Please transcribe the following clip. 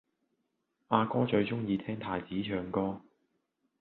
阿哥最鍾意聽太子唱歌